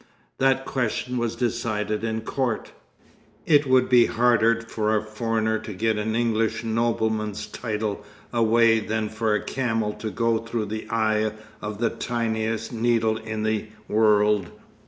"That question was decided in court " "It would be harder for a foreigner to get an English nobleman's title away than for a camel to go through the eye of the tiniest needle in the world.